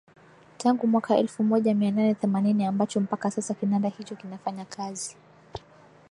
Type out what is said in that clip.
Tangu mwaka elfu moja mia nane themanini ambacho mpaka sasa kinanda hicho kinafanya kazi